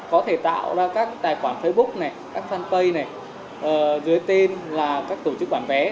có thể tạo ra các tài khoản facebook này các fanpage này dưới tên là các tổ chức bán vé